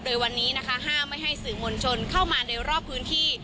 โดยวันนี้นะคะห้ามไม่ให้สื่อมวลชนเข้ามาโดยรอบพื้นที่